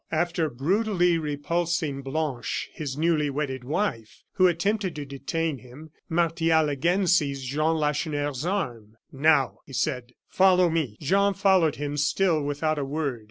After brutally repulsing Blanche, his newly wedded wife, who attempted to detain him, Martial again seized Jean Lacheneur's arm. "Now," said he, "follow me!" Jean followed him still without a word.